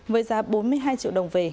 với giá bốn mươi hai triệu đồng về